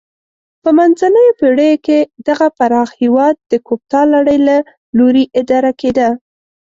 په منځنیو پیړیو کې دغه پراخ هېواد د کوپتا لړۍ له لوري اداره کېده.